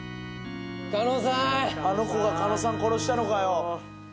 あの子が狩野さん殺したのかよ